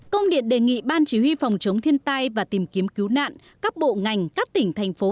công điện đề nghị ban chỉ huy phòng chống thiên tai và tìm kiếm cứu nạn các bộ ngành các tỉnh thành phố